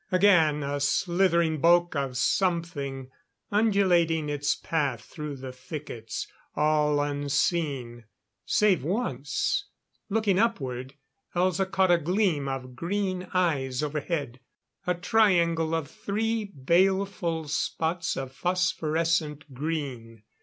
Again, a slithering bulk of something, undulating its path through the thickets. All unseen. Save once. Looking upward, Elza caught a gleam of green eyes overhead. A triangle of three baleful spots of phosphorescent green.